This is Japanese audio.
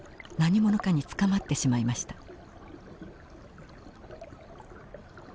何者かに捕まってしまいました。